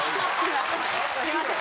すいません。